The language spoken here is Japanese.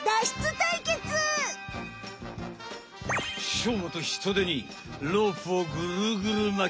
しょうまとヒトデにロープをぐるぐる巻き。